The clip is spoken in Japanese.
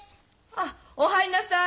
あお入んなさい。